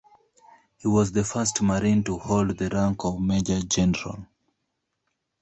He was the first Marine to hold the rank of Major General.